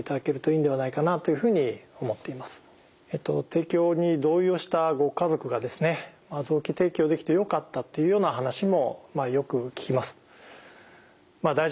提供に同意をしたご家族がですね臓器提供できてよかったっていうような話もよく聞きます。